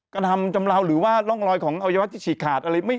กระทำจำเลาหรือว่าร่องรอยของอวัยวะที่ฉีกขาดอะไร